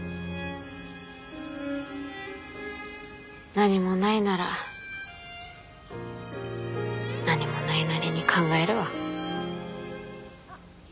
何もないなら何もないなりに考えるわ。